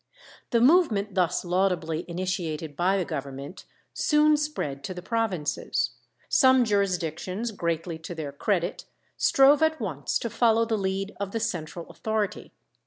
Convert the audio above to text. The movement thus laudably initiated by the Government soon spread to the provinces. Some jurisdictions, greatly to their credit, strove at once to follow the lead of the central authority.